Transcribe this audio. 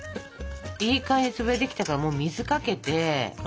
いい感じに潰れてきたからもう水かけて。